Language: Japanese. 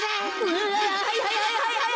うわはいはいはいはい。